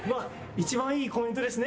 一番いいコメントですね。